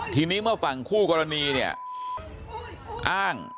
ทีนี้เมื่อฝั่งคู่กรณีเนี่ยอ้าง